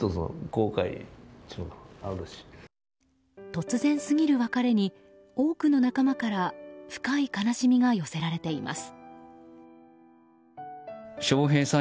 突然すぎる別れに多くの仲間から深い悲しみが寄せられています。